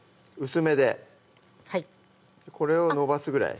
薄めでこれを延ばすぐらい？